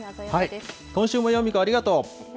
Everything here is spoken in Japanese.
今週もヨミ子、ありがとう。